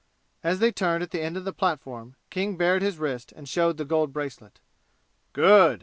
As they turned at the end of the platform King bared his wrist and showed the gold bracelet. "Good!"